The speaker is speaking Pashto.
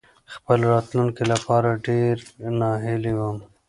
خپل راتلونکې لپاره ډېرې ناهيلې وم.